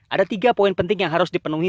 ada tiga poin penting yang harus dipenuhi